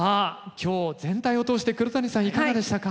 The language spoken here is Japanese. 今日全体を通して黒谷さんいかがでしたか？